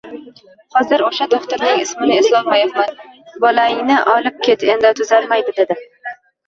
Hozir o`sha do`xtirning ismini eslolmayman, Bolangni olib ket, endi tuzalmaydi, dedi